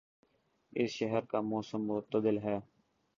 اس شہر کا موسم معتدل ہے